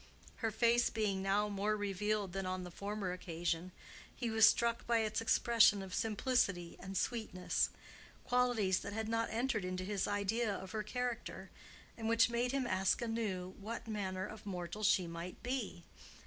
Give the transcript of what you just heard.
Her face being now more revealed than on the former occasion, he was struck by its expression of simplicity and sweetness,—qualities that had not entered into his idea of her character, and which made him ask anew what manner of mortal she might be.